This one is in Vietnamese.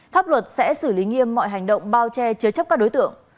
pháp luật sẽ xử lý nghiêm mọi hành động bao che chứa chấp các đối tượng